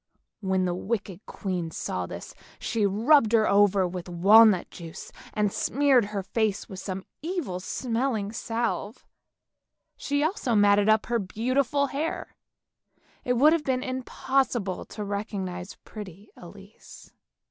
When the wicked queen saw this, she rubbed her over with walnut juice, and smeared her face with some evil smelling salve. She also matted up her beautiful hair ; it would have been impossible to recognise pretty Elise.